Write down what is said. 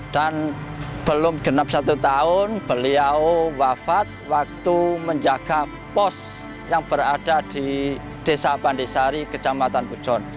dan belum genap satu tahun beliau wafat waktu menjaga pos yang berada di desa pandesari kejamatan pujon